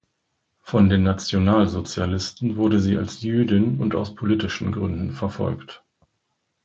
Von den Nationalsozialisten wurde sie als Jüdin und aus politischen Gründen verfolgt.